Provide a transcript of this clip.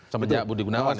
sampai dia budi gunawan ya